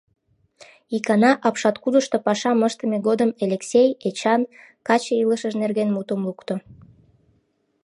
Икана апшаткудышто пашам ыштыме годым Элексей, Эчан каче илышыж нерген мутым лукто.